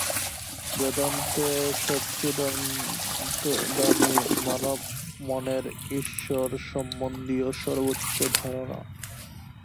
বেদান্তে সচ্চিদানন্দই মানবমনের ঈশ্বর-সম্বন্ধীয় সর্বোচ্চ ধারণা।